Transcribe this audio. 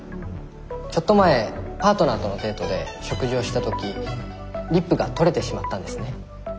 ちょっと前パートナーとのデートで食事をした時リップが取れてしまったんですね。